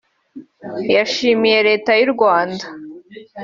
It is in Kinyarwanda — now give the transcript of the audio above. yashimiye Leta y’u Rwanda